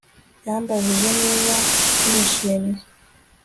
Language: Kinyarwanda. Yambajije niba nishimye